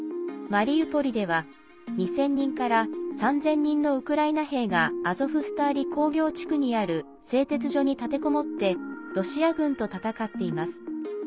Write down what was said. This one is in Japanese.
マリウポリでは２０００人から３０００人のウクライナ兵がアゾフスターリ工業地区にある製鉄所に立てこもってロシア軍と戦っています。